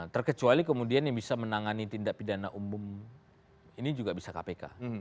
terkecuali kemudian yang bisa menangani tindak pidana umum ini juga bisa kpk